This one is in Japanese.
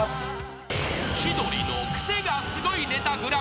［『千鳥のクセがスゴいネタＧＰ』］